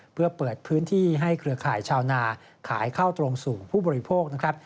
เพื่อเปิดพื้นที่ให้เครือข่ายชาวนาขายเข้าตรงสู่ผู้บริโภคนะครับ